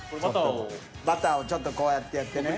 バターをちょっとこうやってやってね。